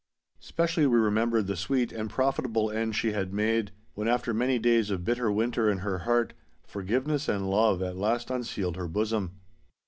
Specially we remembered the sweet and profitable end she had made, when after many days of bitter winter in her heart, forgiveness and love at last unsealed her bosom.